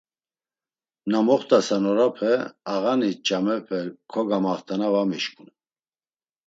Na moxt̆asen orape, ağani ç̌amepe kogamaxt̆ana va mişǩun.